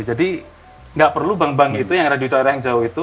jadi nggak perlu bank bank itu yang ada di daerah yang jauh itu